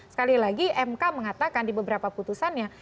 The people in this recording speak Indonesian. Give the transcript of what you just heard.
sekali lagi mk mengatakan di beberapa putusannya